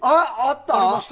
ありました。